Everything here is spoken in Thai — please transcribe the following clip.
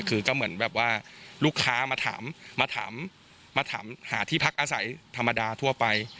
คือก็เหมือนแบบว่าลูกค้ามาถามมาถามมาถามหาที่พักอาศัยธรรมดาทั่วไป